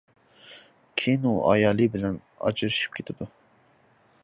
كېيىن ئۇ ئايالى بىلەن ئاجرىشىپ كېتىدۇ.